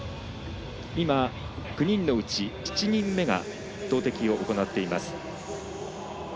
今、９人のうち７人目が投てきを行っています。